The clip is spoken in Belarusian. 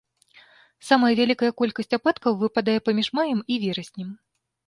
Самая вялікая колькасць ападкаў выпадае паміж маем і вераснем.